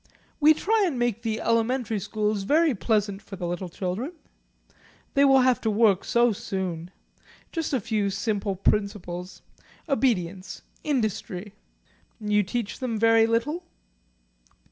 "We try and make the elementary schools very pleasant for the little children. They will have to work so soon. Just a few simple principles obedience industry." "You teach them very little?"